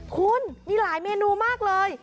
คุณมีหลายเมนูมากเลย